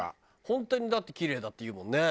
本当にだってキレイだって言うもんね。